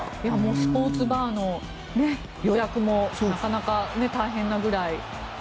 スポーツバーの予約もなかなか大変なぐらい。